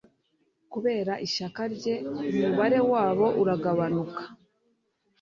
kubera ishyaka rye, umubare wabo uragabanuka